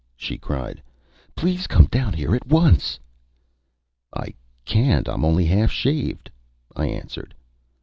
she cried. "Please come down here at once." "I can't. I'm only half shaved," I answered.